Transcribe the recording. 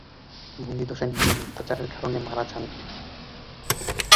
বন্দিদশায় নির্মম অত্যাচারের কারণে মারা যান।